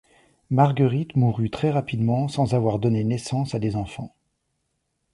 Marguerite mourut très rapidement sans avoir donné naissance à des enfants.